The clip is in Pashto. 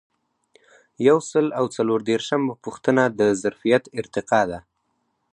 یو سل او څلور دیرشمه پوښتنه د ظرفیت ارتقا ده.